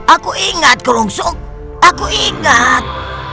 aku ingat kerungsuk aku ingat